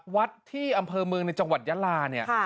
วัดที่อำเภอเมืองในจังหวัดยาลาเนี่ย